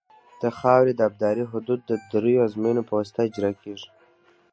د خاورې د ابدارۍ حدود د دریو ازموینو په واسطه اجرا کیږي